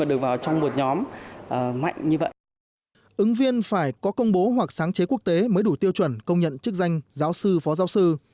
ứng viên phải có công bố hoặc sáng chế quốc tế mới đủ tiêu chuẩn công nhận chức danh giáo sư phó giáo sư